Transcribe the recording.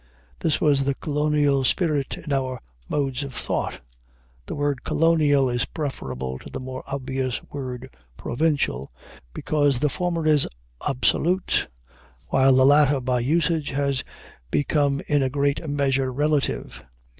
This was the colonial spirit in our modes of thought. The word "colonial" is preferable to the more obvious word "provincial," because the former is absolute, while the latter, by usage, has become in a great measure relative.